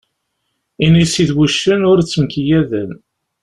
Inisi d wuccen, ur ttemkeyyaden.